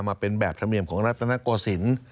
มาเป็นแบบธรรมเนียมของรัฐนโกศิลป์